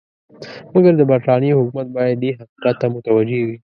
مګر د برټانیې حکومت باید دې حقیقت ته متوجه وي.